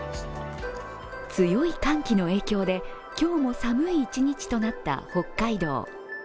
強い寒気の影響で今日も寒い一日となった北海道。